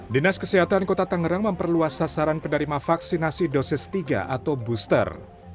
dinas kesehatan kota tangerang memperluas sasaran penerima vaksinasi dosis tiga atau booster